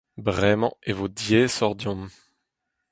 Bremañ e vo diaesoc'h deomp .